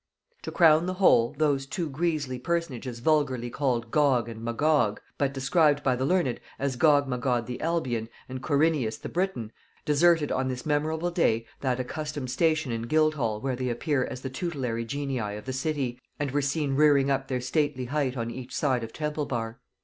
To crown the whole, those two griesly personages vulgarly called Gog and Magog, but described by the learned as Gogmagog the Albion and Corineus the Briton, deserted on this memorable day that accustomed station in Guildhall where they appear as the tutelary genii of the city, and were seen rearing up their stately height on each side of Temple bar.